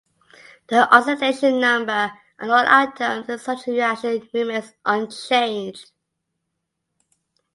The oxidation number on all atoms in such a reaction remains unchanged.